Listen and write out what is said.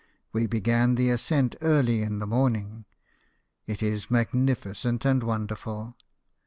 We began the ascent early in the morning. It is magnificent and wonderful.